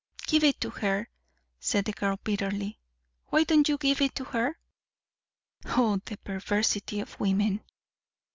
"Give it to her," said the girl bitterly. "Why don't you give it to her?" Oh, the perversity of women!